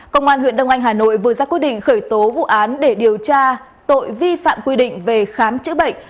công an huyện đông anh hà nội vừa ra quyết định khởi tố vụ án để điều tra tội vi phạm quy định về khám chữa bệnh